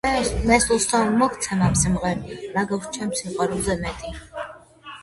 მე სულს მოგცემ ამ სიმღერით, რა გაქვს ჩემს სიყვარულზე მეტი.